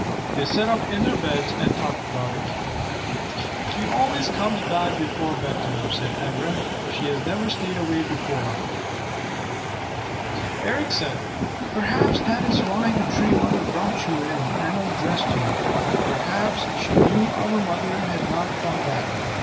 They sat up in their beds and talked about it. "She always comes back before bedtime," said Ivra. "She has never stayed away before." Eric said, "Perhaps that is why the Tree Mother brought you in and undressed you perhaps she knew our mother had not come back.